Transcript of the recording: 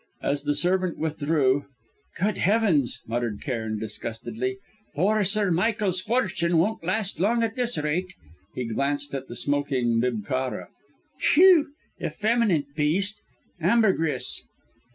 As the servant withdrew: "Good heavens!" muttered Cairn, disgustedly; "poor Sir Michael's fortune won't last long at this rate!" He glanced at the smoking mibkharah. "Phew! effeminate beast! Ambergris!"